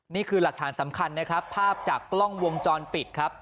นี่คือหลักฐานสำคัญนะครับภาพจากกล้องวงจรปิดครับ